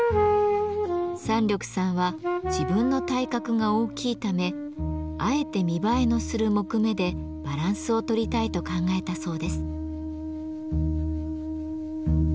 山緑さんは自分の体格が大きいためあえて見栄えのする木目でバランスをとりたいと考えたそうです。